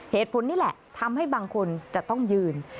เหตุผลนี่แหละทำให้บางคนจะต้องยืน